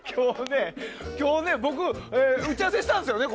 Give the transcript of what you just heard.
今日ね、僕打ち合わせしたんですよね。